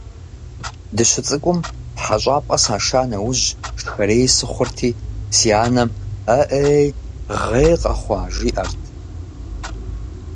Дыщыцӏыкӏум хьэщӏапӏэ саша нэужь шхэрей сыхъурти, си анэм «Аӏей, гъей къэхъуа?», жиӏэрт.